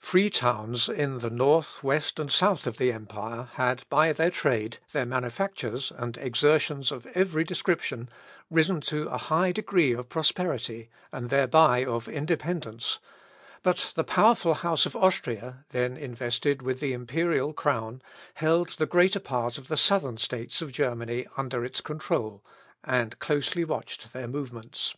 Free towns in the north, west, and south of the empire, had, by their trade, their manufactures, and exertions of every description, risen to a high degree of prosperity, and thereby of independence, but the powerful house of Austria, then invested with the imperial crown, held the greater part of the southern states of Germany under its control, and closely watched their movements.